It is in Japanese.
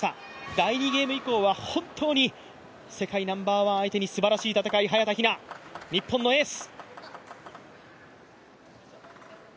第２ゲーム以降は本当に世界ナンバーワン相手にすばらしい戦い、早田ひな、日本のエース。